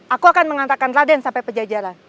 aku akan mengantarkan raden sampai pejajaran